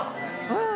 うん。